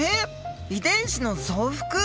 遺伝子の増幅？